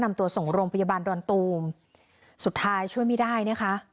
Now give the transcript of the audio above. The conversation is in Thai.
นำตัวส่งโรงพยาบาลดอนตูมสุดท้ายช่วยไม่ได้นะคะ